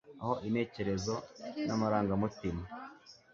aho intekerezo namarangamutima